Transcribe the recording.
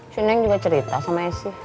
si neng juga cerita sama esy